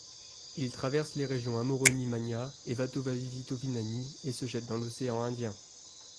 Il traverse les régions Amoron'i Mania et Vatovavy-Fitovinany et se jette dans l'Océan Indien.